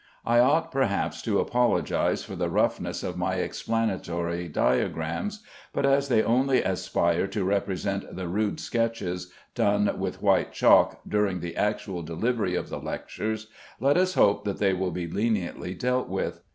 I ought, perhaps, to apologize for the roughness of my explanatory diagrams, but as they only aspire to represent the rude sketches done with white chalk during the actual delivery of the lectures, let us hope they will be leniently dealt with.